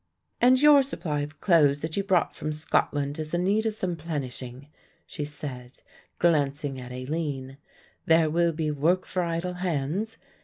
"And your supply of clothes that you brought from Scotland is in need of some plenishing," she said, glancing at Aline. "There will be work for idle hands.